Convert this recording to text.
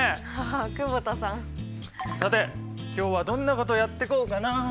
さて今日はどんなことやってこうかなあ？